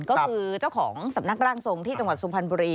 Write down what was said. ก็คือเจ้าของสำนักร่างทรงที่จังหวัดสุพรรณบุรี